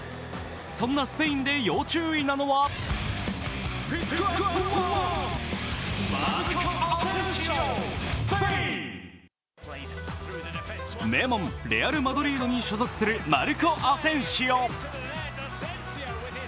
そんなスペインで要注意なのは名門レアル・マドリードに所属するマルコ・アセンシオ。